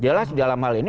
jelas dalam hal ini